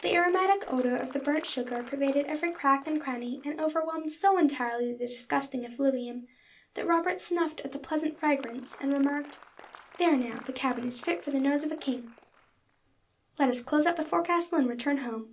The aromatic odour of the burnt sugar pervaded every crack and cranny, and overwhelmed so entirely the disgusting effluvium, that Robert snuffed at the pleasant fragrance, and remarked, "There, now! the cabin is fit for the nose of a king. Let us close up the forecastle, and return home."